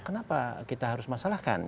kenapa kita harus masalahkan